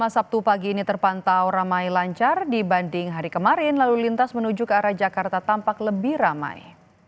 sabtu pagi ini terpantau ramai lancar dibanding hari kemarin lalu lintas menuju ke arah jakarta tampak lebih ramai